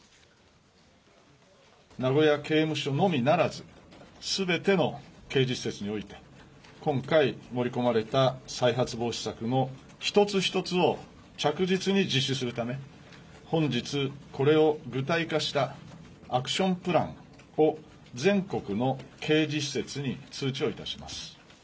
名古屋刑務所のみならず、すべての刑事施設において、今回盛り込まれた再発防止策の一つ一つを着実に実施するため、本日、これを具体化したアクションプランを、全国の刑事施設に通知をいたします。